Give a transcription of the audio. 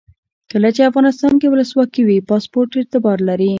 کله چې افغانستان کې ولسواکي وي پاسپورټ اعتبار لري.